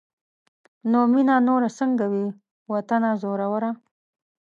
نو مينه نوره سنګه وي واطنه زوروره